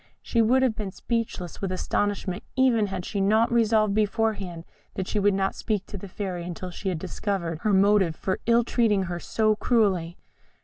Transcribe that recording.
She would have been speechless with astonishment even had she not resolved beforehand that she would not speak to the Fairy until she had discovered her motive for ill treating her so cruelly.